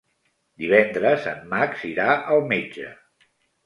Divendres en Max irà al metge.